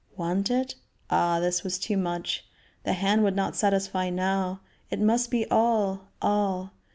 Want it? Ah! this was too much! The hand would not satisfy now; it must be all, all!